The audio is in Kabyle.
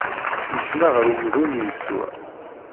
Yekna ɣer umdun yeswa.